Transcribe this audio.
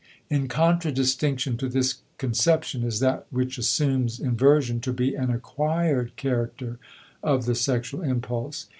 In contradistinction to this conception is that which assumes inversion to be an acquired character of the sexual impulse.